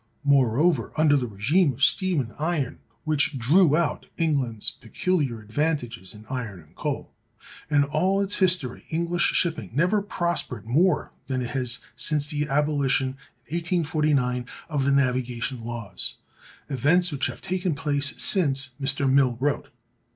(360) Moreover, under the régime of steam and iron (which drew out England's peculiar advantages in iron and coal), in all its history English shipping never prospered more than it has since the abolition in 1849 of the navigation laws—events which have taken place since Mr. Mill wrote.